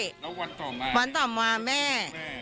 แล้ววันต่อมาวันต่อมาแม่